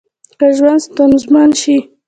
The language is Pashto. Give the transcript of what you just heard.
که ژوند ستونزمن شي